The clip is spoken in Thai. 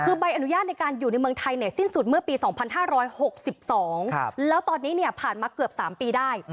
คือใบอนุญาตในการอยู่ในเมืองไทยสิ้นสุดเมื่อปี๒๕๖๒แล้วตอนนี้เนี่ยผ่านมาเกือบ๓ปีได้